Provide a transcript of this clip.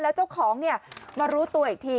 แล้วเจ้าของมารู้ตัวอีกที